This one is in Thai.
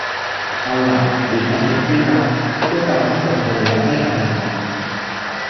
เอาล่ะ หญิงอันเป็นที่รัก พวกเราต้องอดทนและให้อภัยมัน